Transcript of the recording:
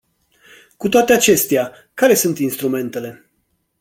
Cu toate acestea, care sunt instrumentele?